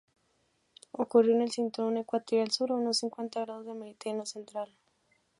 Ocurrió en el Cinturón Ecuatorial Sur, a unos cincuenta grados del meridiano central.